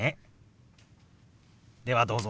ではどうぞ。